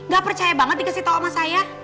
gak percaya banget dikasih tahu sama saya